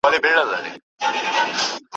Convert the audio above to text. نه شرنګی سته د سندرو نه یې زور سته په لنډۍ کي